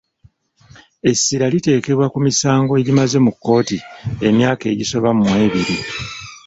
Essira liteekebbwa ku misango egimaze mu kkooti emyaka egisoba mu ebiri.